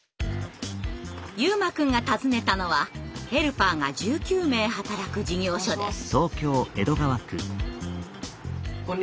悠真くんが訪ねたのはヘルパーが１９名働く事業所です。